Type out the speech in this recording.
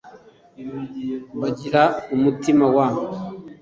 bagira umutima w